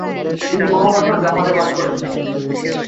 তিনি বহু বছর জাপানে বাস করেছেন।